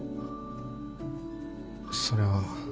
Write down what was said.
それは。